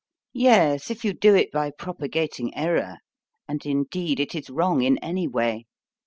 'Yes, if you do it by propagating errour: and, indeed, it is wrong in any way.